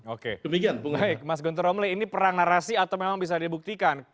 oke demikian mas guntur romli ini perang narasi atau memang bisa dibuktikan